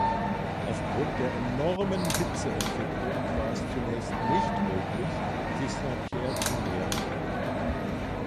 Aufgrund der enormen Hitzeentwicklung war es zunächst nicht möglich, sich Saint-Pierre zu nähern.